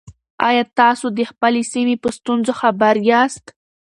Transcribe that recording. آیا تاسو د خپلې سیمې په ستونزو خبر یاست؟